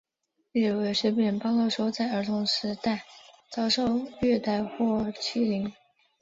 例如有些病人报告说在儿童时代曾遭受虐待和欺凌。